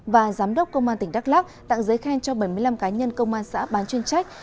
và giám đốc công an tỉnh đắk lắc tặng giấy khen cho bảy mươi năm cá nhân công an xã bán chuyên trách